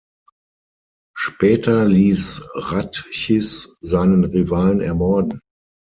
Später ließ Ratchis seinen Rivalen ermorden.